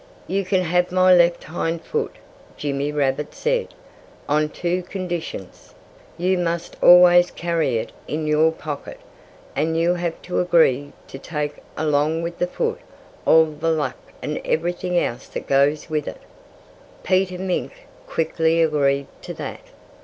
"You can have my left hind foot," Jimmy Rabbit said, "on two conditions. You must always carry it in your pocket, and you have to agree to take along with the foot all the luck and everything else that goes with it." Peter Mink quickly agreed to that.